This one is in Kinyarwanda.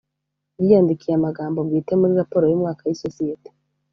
yiyandikiye amagambo bwite muri raporo y umwaka y isosiyete